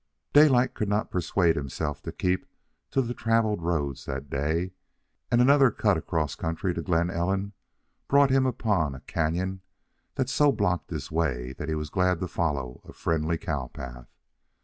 Daylight could not persuade himself to keep to the travelled roads that day, and another cut across country to Glen Ellen brought him upon a canon that so blocked his way that he was glad to follow a friendly cow path.